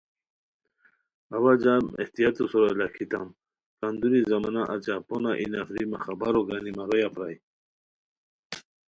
اوا جم احتیاطو سورا لاکھیتام کندوری زمانہ اچہ پونہ ای نفری مہ خبرو گانی مہ رویا پرائے